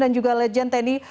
dan juga legend tni